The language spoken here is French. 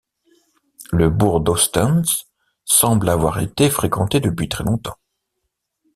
Le bourg d'Hostens semble avoir été fréquenté depuis très longtemps.